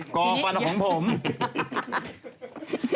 ก็แบบของผม